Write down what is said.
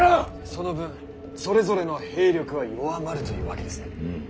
その分それぞれの兵力は弱まるというわけですね。